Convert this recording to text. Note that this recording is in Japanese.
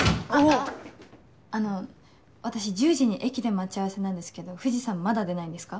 あの私１０時に駅で待ち合わせなんですけど藤さんまだ出ないんですか？